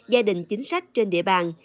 gia đình chính sách trên địa bàn